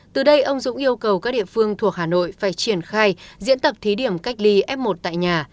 từ đây ông dũng yêu cầu các địa phương thuộc hà nội phải triển khai diễn tập thí điểm cách ly f một tại nhà